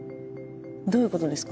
どういうことですか？